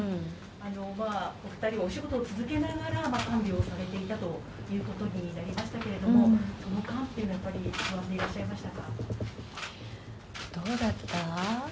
お２人はお仕事を続けながら、看病をされていたということになりましたけれども、その間というのはやっぱり、どうだった？